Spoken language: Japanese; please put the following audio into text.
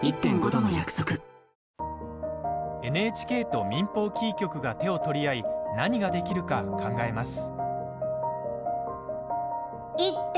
ＮＨＫと民放キー局が手を取り合い何ができるか考えます。